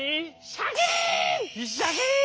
シャキーン！